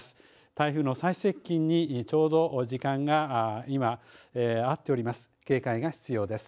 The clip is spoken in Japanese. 台風の最接近にちょうど時間が今、あっております、警戒が必要です。